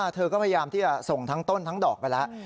เธอก็พยายามที่จะส่งทั้งต้นทั้งดอกไปแล้ว